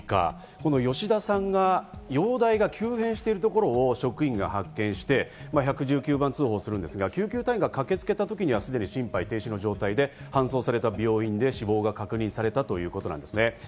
この吉田さん、容体が急変しているところを職員が発見して１１９番通報するんですが、救急隊が駆けつけた時には、すでに心肺停止の状態で搬送された病院で死亡が確認されたということですね。